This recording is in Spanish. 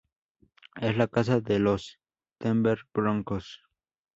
Es la casa de los Denver Broncos.